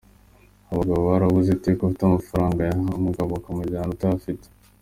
Ati “Abagabo barabuze! Iteka ufite amafaranga ayaha umugabo akamujyana utayafite.